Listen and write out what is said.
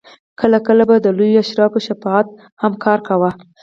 کله کله به د لویو اشرافو شفاعت هم کار کاوه.